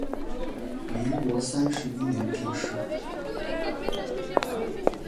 民国三十一年病逝。